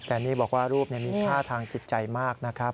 แต่นี่บอกว่ารูปมีค่าทางจิตใจมากนะครับ